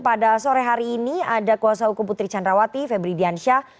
pada sore hari ini ada kuasa hukum putri candrawati febri diansyah